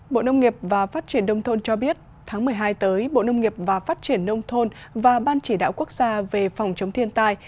bộ nông nghiệp và phát triển đông thôn cho biết tháng một mươi hai tới bộ nông nghiệp và phát triển nông thôn và ban chỉ đạo quốc gia về phòng chống thiên tai